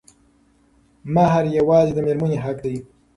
مهر يوازې د مېرمنې حق دی.